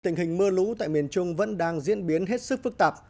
tình hình mưa lũ tại miền trung vẫn đang diễn biến hết sức phức tạp